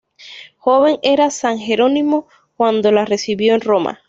Joven era San Jerónimo cuando la recibió en Roma.